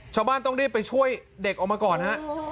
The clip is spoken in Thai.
ชาวบ้านต้องรีบไปช่วยเด็กออกมาก่อนฮะ